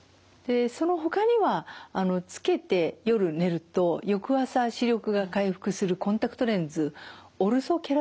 そのほかにはつけて夜寝ると翌朝視力が回復するコンタクトレンズ。